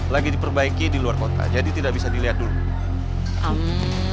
lagi diperbaiki di luar kota jadi tidak bisa dikonsumsiin